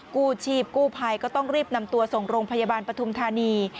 กู้ชีพกู้ภัยก็ต้องรีบนำตัวส่งโรงพยาบาลปฐุมธานี